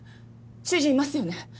主人いますよね？